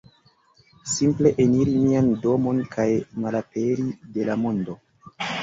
simple eniri mian domon kaj malaperi de la mondo